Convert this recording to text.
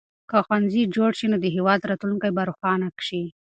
که ښوونځي جوړ شي نو د هېواد راتلونکی به روښانه شي.